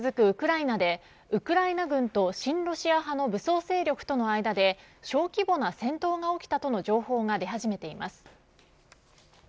ウクライナでウクライナ軍と親ロシア派の装勢力との間で小規模な戦闘が起きたとの情報が出始めています。